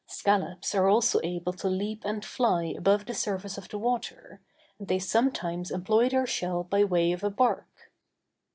Scallops are also able to leap and fly above the surface of the water, and they sometimes employ their shell by way of a bark.